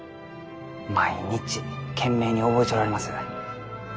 毎日懸命に覚えちょられます。